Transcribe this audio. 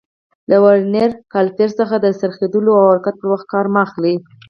له ورنیر کالیپر څخه د څرخېدلو او حرکت پر وخت کار مه اخلئ.